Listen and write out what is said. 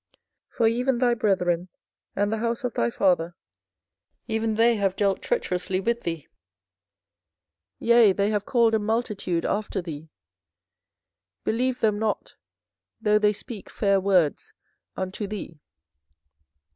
24:012:006 For even thy brethren, and the house of thy father, even they have dealt treacherously with thee; yea, they have called a multitude after thee: believe them not, though they speak fair words unto thee.